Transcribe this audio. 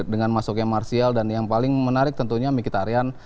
dengan masuknya martial dan yang paling menarik tentunya mkhitaryan